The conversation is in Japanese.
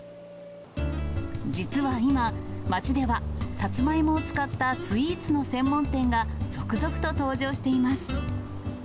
実は今、街ではサツマイモを使ったスイーツの専門店が続々と登場しています。